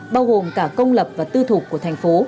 bao gồm cả công lập và tư thục của thành phố